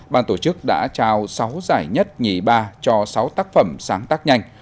ban tổ chức đã trao sáu giải nhất nhì ba cho sáu tác phẩm sáng tác nhanh